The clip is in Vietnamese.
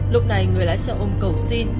lúc này người lái xe ôm cầu xin